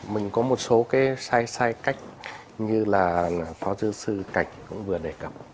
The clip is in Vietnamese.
mình có một số cái sai cách như là phó giáo sư cảnh cũng vừa đề cập